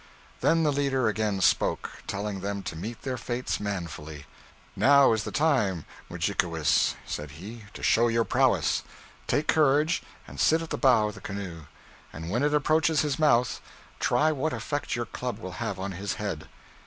Then the leader again spoke, telling them to meet their fates manfully. 'Now is the time, Mudjikewis,' said he, 'to show your prowess. Take courage and sit at the bow of the canoe; and when it approaches his mouth, try what effect your club will have on his head.'